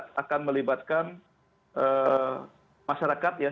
kita akan melibatkan masyarakat ya